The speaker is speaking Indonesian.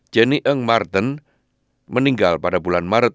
jenny eng martin meninggal pada bulan maret